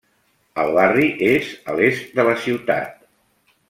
El barri és a l'est de la ciutat.